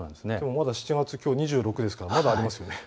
まだ７月、きょう２６ですからまだありますよね。